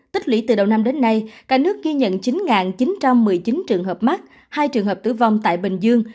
tích lũy từ đầu năm đến nay cả nước ghi nhận chín chín trăm một mươi chín trường hợp mắc hai trường hợp tử vong tại bình dương